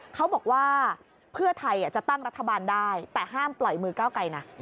เขาบอกว่าเพื่อไทยจะตั้งรัฐบาลได้แต่ห้ามปล่อยมือก้าวไกลนะ